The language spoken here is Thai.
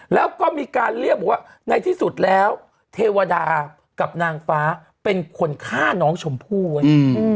แล้วก็มีการเรียกบอกว่าในที่สุดแล้วเทวดากับนางฟ้าเป็นคนฆ่าน้องชมพู่เว้ย